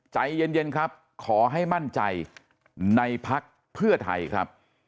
ใจเย็นครับขอให้มั่นใจในพักเพื่อไทยครับ